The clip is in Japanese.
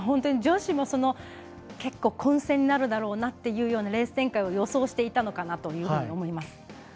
女子も結構混戦になるだろうなというレース展開を予想していたのかなと思います。